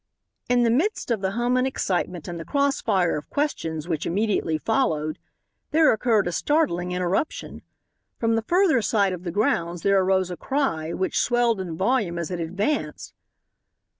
In the midst of the hum and excitement and the crossfire of questions which immediately followed, there occurred a startling interruption. From the further side of the grounds there arose a cry, which swelled in volume as it advanced.